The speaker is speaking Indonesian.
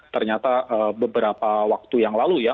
ternyata beberapa waktu yang lalu ya